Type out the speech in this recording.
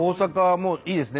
もういいですね？